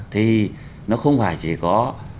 thì nó không phải chỉ có